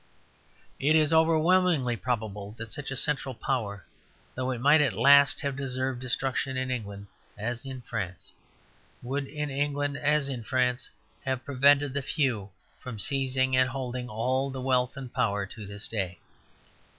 It is overwhelmingly probable that such a central power, though it might at last have deserved destruction in England as in France, would in England as in France have prevented the few from seizing and holding all the wealth and power to this day.